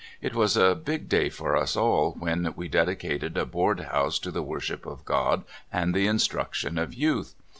It was a big day for us all when we dedicated a board house to the worship of God and the instruction of youth.